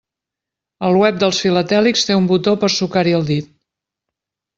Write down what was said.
El web dels filatèlics té un botó per sucar-hi el dit.